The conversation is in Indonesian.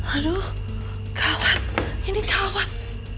aduh kawat ini kawat